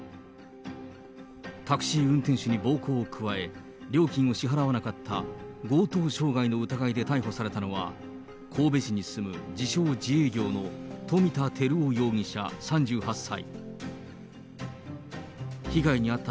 タクシー運転手に暴行を加え、料金を支払わなかった強盗傷害の疑いで逮捕されたのは、神戸市に住む自称自営業の富田てるお容疑者３８歳。